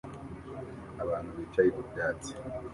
Abantu bicaye ku byatsi